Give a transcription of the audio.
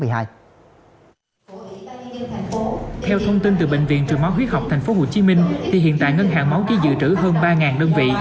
theo thông tin từ bệnh viện trường máu huyết học tp hcm thì hiện tại ngân hàng máu chỉ dự trữ hơn ba đơn vị